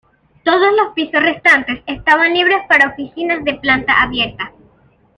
Todos los pisos restantes estaban libres para oficinas de planta abierta.